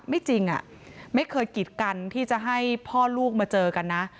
จริงไม่เคยกิดกันที่จะให้พ่อลูกมาเจอกันนะ